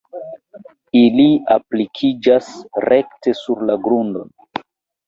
Ili aplikiĝas rekte sur la grundon.